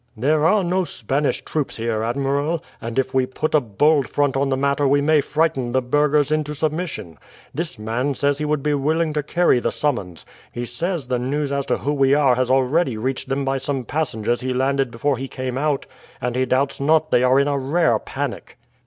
"There are no Spanish troops here, admiral, and if we put a bold front on the matter we may frighten the burghers into submission. This man says he would be willing to carry the summons. He says the news as to who we are has already reached them by some passengers he landed before he came out, and he doubts not they are in a rare panic."